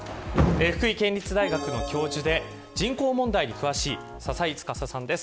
福井県立大学の教授で人口問題に詳しい佐々井司さんです。